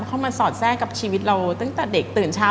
เข้ามาสอดแทรกกับชีวิตเราตั้งแต่เด็กตื่นเช้า